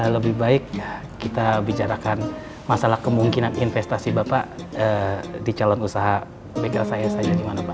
lebih baik kita bicarakan masalah kemungkinan investasi bapak di calon usaha begal saya saja di mana pak